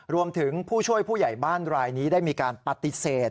ผู้ช่วยผู้ใหญ่บ้านรายนี้ได้มีการปฏิเสธ